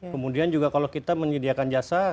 kemudian juga kalau kita menyediakan jasa